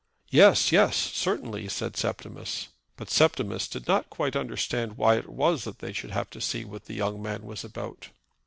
"Yes, yes, certainly," said Septimus. But Septimus did not quite understand why it was that they should have to see what the young man was about.